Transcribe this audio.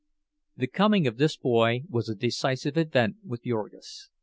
The coming of this boy was a decisive event with Jurgis.